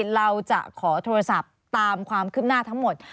เราจะขอโทรศัพท์ตามความคืบหน้าทั้งหมด